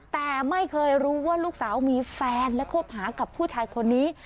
แต่ไม่เคยรู้ว่าลูกสาวมีแฟนและคบหากับผู้ชายคนนี้